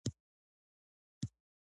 دا ستونزه ځکه ده چې غنم ډېر تولید شوي